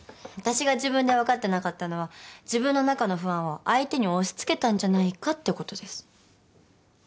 私が自分で分かってなかったのは自分の中の不安を相手に押し付けたんじゃないかってことです。